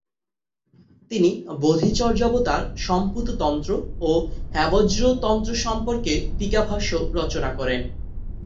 তিনি বোধিচর্যাবতার, সম্পুততন্ত্র ও হেবজ্র তন্ত্র সম্বন্ধে টীকাভাষ্য রচনা করেন।